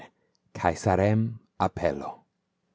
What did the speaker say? C^SAREM APPELLO